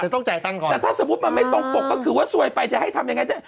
ต้องจ่ายตังค์ก่อนแต่ถ้าสมมุติมันไม่ตรงปกก็คือว่าซวยไปจะให้ทำยังไง